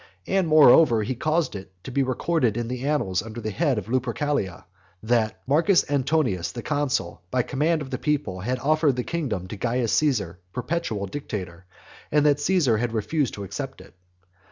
And, moreover, he caused it to be recorded in the annals, under the head of Lupercalia, "That Marcus Antonius, the consul, by command of the people, had offered the kingdom to Caius Caesar, perpetual dictator; and that Caesar had refused to accept it."